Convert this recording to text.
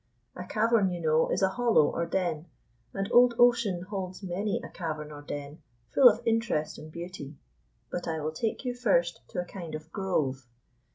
A cavern, you know, is a hollow or den, and old ocean holds many a cavern or den full of interest and beauty. But I will take you first to a kind of grove.